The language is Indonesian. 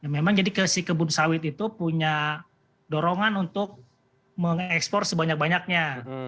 memang jadi si kebun sawit itu punya dorongan untuk mengekspor sebanyak banyaknya